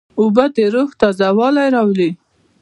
اوبه د روح تازهوالی راولي.